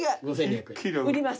売ります。